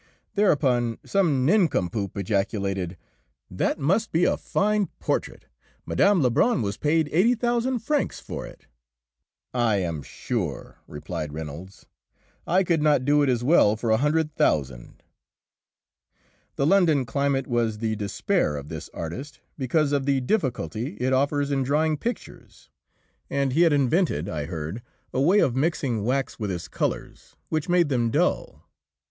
Thereupon some nincompoop ejaculated, "That must be a fine portrait; Mme. Lebrun was paid eighty thousand francs for it!" "I am sure," replied Reynolds, "I could not do it as well for a hundred thousand." The London climate was the despair of this artist because of the difficulty it offers to drying pictures, and he had invented, I heard, a way of mixing wax with his colours, which made them dull.